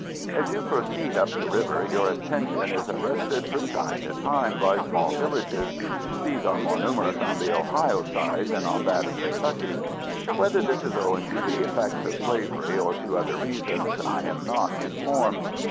As you proceed up the river, your attention is arrested, from time to time, by small villages. These are more numerous on the Ohio side than on that of Kentucky. Whether this is owing to the effects of slavery, or to other reasons, I am not informed.